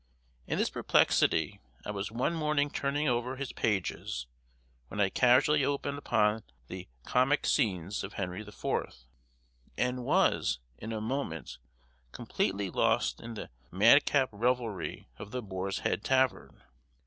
In this perplexity I was one morning turning over his pages when I casually opened upon the comic scenes of Henry IV., and was, in a moment, completely lost in the madcap revelry of the Boar's Head Tavern.